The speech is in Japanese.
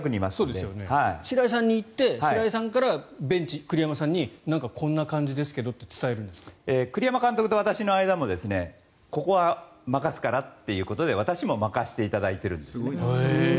白井さんに行って白井さんからベンチ、栗山さんにこんな感じですけどって栗山さんと私の間もここは任せるからということで私も任せていただいてるんですね。